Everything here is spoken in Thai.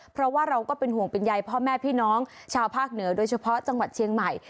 เพราะว่าเราก็เป็นห่วงเป็นใยพ่อแม่พี่น้องชาวภาคเหนือโดยเฉพาะจังหวัดเชียงใหม่